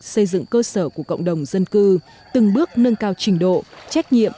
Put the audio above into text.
xây dựng cơ sở của cộng đồng dân cư từng bước nâng cao trình độ trách nhiệm